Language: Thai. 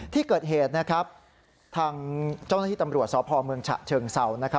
ที่เกิดเหตุนะครับทางเจ้าหน้าที่ตำรวจสพเมืองฉะเชิงเศร้านะครับ